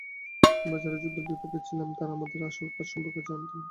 আমরা যারা যুদ্ধের বিপক্ষে ছিলাম, তারা আমাদের আসল কাজ সম্পর্কে জানতাম।